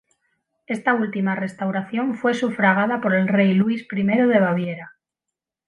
Esta última restauración fue sufragada por el rey Luis I de Baviera.